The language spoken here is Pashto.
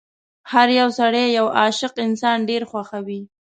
هر يو سړی یو عاشق انسان ډېر خوښوي.